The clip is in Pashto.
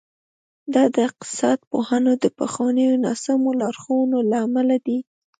دا د اقتصاد پوهانو د پخوانیو ناسمو لارښوونو له امله دي.